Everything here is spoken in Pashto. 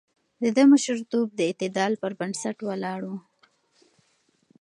د ده مشرتوب د اعتدال پر بنسټ ولاړ و.